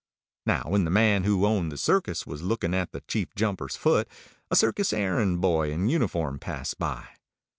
Now when the man who owned the circus was looking at the Chief Jumper's foot, a circus errand boy in uniform passed by.